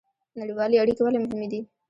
نړیوالې اړیکې ولې مهمې دي؟